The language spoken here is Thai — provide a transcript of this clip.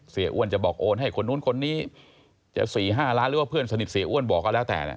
เสียอ้วนจะบอกโอนให้คนนู้นคนนี้จะสี่ห้าร้านหรือว่าเพื่อนสนิทเสียอ้วนบอกเอาแล้วแต่น่ะ